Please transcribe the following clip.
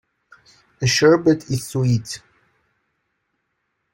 Sherbet is sweet.